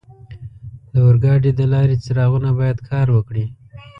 د اورګاډي د لارې څراغونه باید کار وکړي.